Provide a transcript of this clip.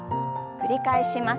繰り返します。